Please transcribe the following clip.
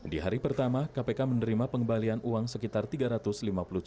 di hari pertama kpk menerima pengembalian uang sekitar rp tiga ratus lima puluh